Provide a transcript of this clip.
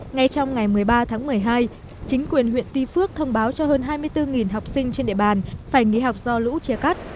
ngay trong ngày một mươi ba tháng một mươi hai chính quyền huyện tuy phước thông báo cho hơn hai mươi bốn học sinh trên địa bàn phải nghỉ học do lũ chia cắt